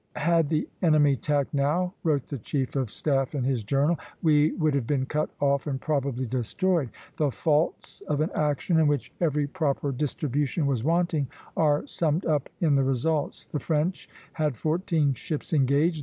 "Had the enemy tacked now," wrote the chief of staff in his journal, "we would have been cut off and probably destroyed." The faults of an action in which every proper distribution was wanting are summed up in the results. The French had fourteen ships engaged.